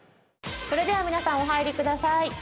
それでは皆さんお入りください